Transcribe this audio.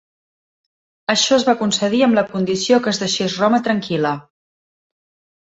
Això es va concedir amb la condició que es deixés Roma tranquil·la.